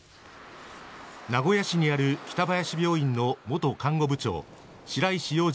名古屋市にある北林病院の元看護部長白石洋二